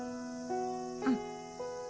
うん。